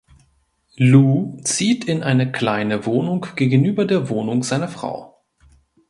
Lu zieht in eine kleine Wohnung gegenüber der Wohnung seiner Frau.